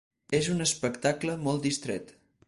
És un espectacle molt distret.